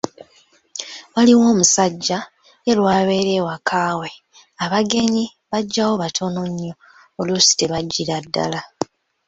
Waliwo omusajja, ye lw'abeera ewaka we "abagenyi" bajjawo batono nnyo, oluusi tebajjira ddala.